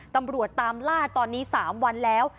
ตำรวจตามล่าตอนนี้๓วันแล้ว